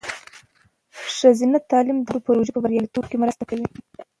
ښځینه تعلیم د ګډو پروژو په بریالیتوب کې مرسته کوي.